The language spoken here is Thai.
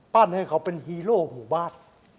ให้เขาเป็นฮีโร่หมู่บ้าน